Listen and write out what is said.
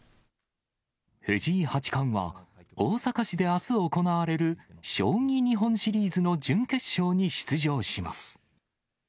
藤井八冠は、大阪市であす行われる、将棋日本シリーズの準決勝に出場します。